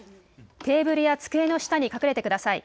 テーブルや机の下に隠れてください。